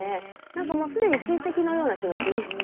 なんかもうすでに親戚のような気持ちに。